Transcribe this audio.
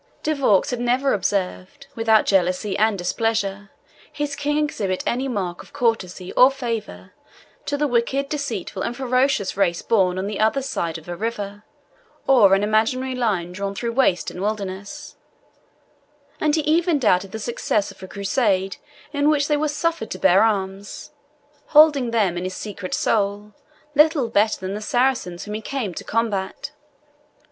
De Vaux had never observed without jealousy and displeasure his King exhibit any mark of courtesy or favour to the wicked, deceitful, and ferocious race born on the other side of a river, or an imaginary line drawn through waste and wilderness; and he even doubted the success of a Crusade in which they were suffered to bear arms, holding them in his secret soul little better than the Saracens whom he came to combat.